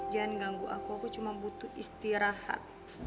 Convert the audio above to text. jangan ganggu aku aku cuma butuh istirahat